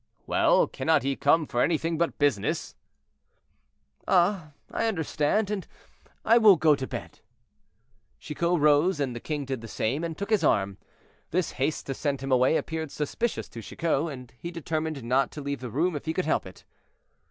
"Well, cannot he come for anything but business?" "Ah! I understand: and I will go to bed." Chicot rose; the king did the same, and took his arm. This haste to send him away appeared suspicious to Chicot, and he determined not to leave the room if he could help it.